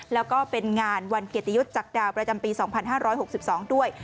แล้วก็เป็นงานวันเกียรติยุทธ์จากดาวประจำปี๒๕๖๒ด้วย